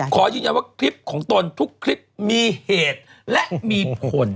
ขอยืนยันว่าคลิปของตนทุกคลิปมีเหตุและมีผล